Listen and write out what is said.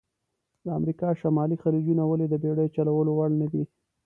د امریکا شمالي خلیجونه ولې د بېړیو چلول وړ نه دي؟